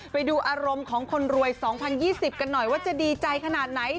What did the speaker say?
ไปดูอารมณ์ของคนรวย๒๐๒๐กันหน่อยว่าจะดีใจขนาดไหน